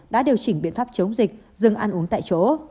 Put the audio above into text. đã điều chỉnh biện pháp chống dịch dừng ăn uống tại chỗ